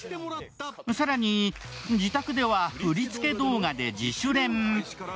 更に、自宅では振り付け動画で自主練。